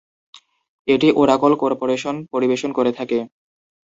এটি Oracle corporation পরিবেশন করে থাকে।